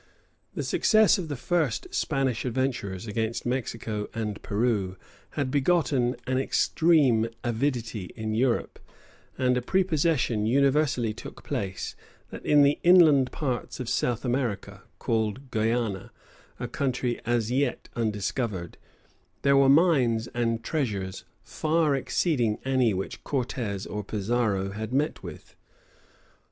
The success of the first Spanish adventurers against Mexico and Peru had begotten an extreme avidity in Europe; and a prepossession universally took place, that in the inland parts of South America, called Guiana, a country as yet undiscovered, there were mines and treasures far exceeding any which Cortes or Pizarro had met with.